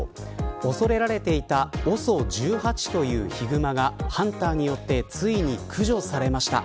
恐れられていたＯＳＯ１８というヒグマがハンターによってついに駆除されました。